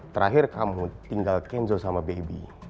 terakhir kamu tinggal kenzo sama baby